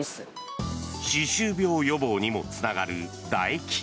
歯周病予防にもつながるだ液。